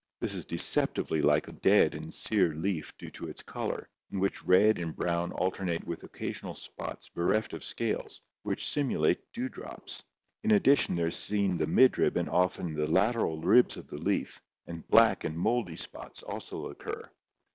This is deceptively like a dead and sere leaf due to its color, in which red and brown alternate with occasional spots bereft of scales which simulate dewdrops. In addition there is seen the midrib and often the lateral" ribs of the leaf, and black and mouldy spots also occur.